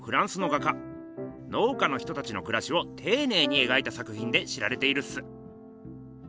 農家の人たちのくらしをていねいに描いたさくひんで知られているっす。